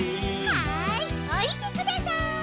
はいおりてください。